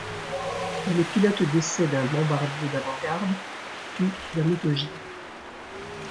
Il est pilote d'essai d'un bombardier d'avant-garde puis d'un autogire.